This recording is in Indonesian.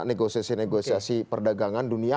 negosiasi negosiasi perdagangan dunia